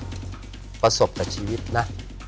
พยายามประสบกับชีวิตนะ